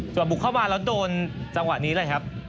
ส่วนบุกเข้ามาแล้วโดนจังหวะนี้เลยครับ